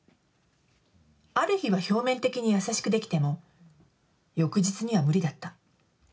ある日は表面的に優しくできても翌日には無理だった。